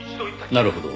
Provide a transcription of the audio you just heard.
なるほど。